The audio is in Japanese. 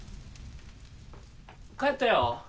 帰ったよ